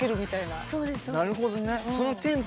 なるほどね。